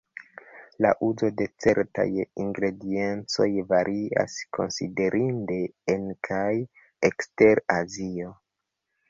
La uzo de certaj ingrediencoj varias konsiderinde en kaj ekster Azio.